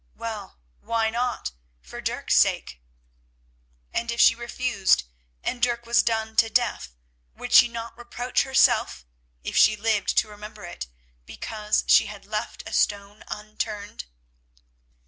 Well, why not—for Dirk's sake? And if she refused and Dirk was done to death, would she not reproach herself, if she lived to remember it, because she had left a stone unturned?